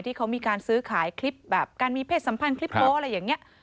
ที่เขามีการซื้อขายคลิปแบบการมีเพศสัมพันธ์คลิปโป๊อะไรอย่างนี้